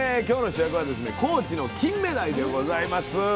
今日の主役はですね高知のキンメダイでございます。